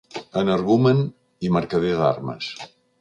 Energumen’ i ‘mercader d’armes’